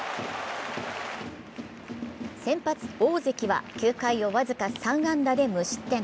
先発・大関は、９回を僅か３安打で無失点。